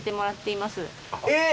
えっ！